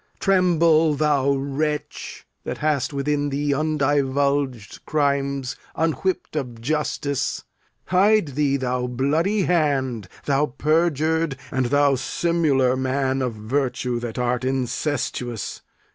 Tremble, thou wretch, That hast within thee undivulged crimes Unwhipp'd of justice. Hide thee, thou bloody hand; Thou perjur'd, and thou simular man of virtue That art incestuous.